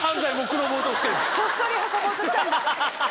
こっそり運ぼうとしたんだ。